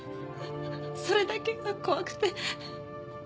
それだけが怖くて。